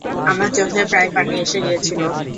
আমার চোখে প্রায় পানি এসে গিয়েছিল।